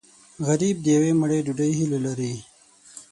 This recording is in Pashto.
غریب د یوې مړۍ ډوډۍ هیله لري